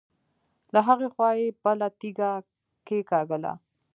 له هغې خوا يې بله تيږه کېکاږله.